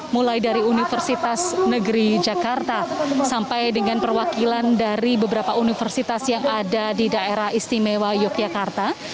mulai dari universitas negeri jakarta sampai dengan perwakilan dari beberapa universitas yang ada di daerah istimewa yogyakarta